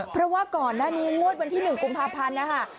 เพราะว่าก่อนหน้านี้งวดวันที่๑กุมภาพันธ์นะคะ